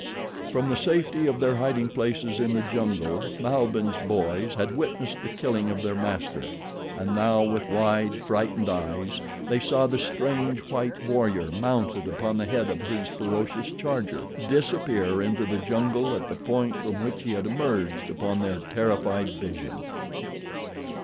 From the safety of their hiding places in the jungle Malbihn's boys had witnessed the killing of their master, and now, with wide, frightened eyes, they saw the strange white warrior, mounted upon the head of his ferocious charger, disappear into the jungle at the point from which he had emerged upon their terrified vision.